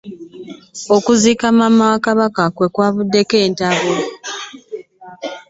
Okuziika maama wa Kabaka kwabaddeko ab'ebitiibwa.